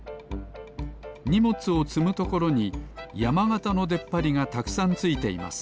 にもつをつむところにやまがたのでっぱりがたくさんついています